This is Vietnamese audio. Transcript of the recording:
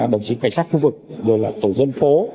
đồng chí cảnh sát khu vực rồi là tổ dân phố